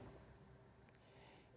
itu spesies yang banyak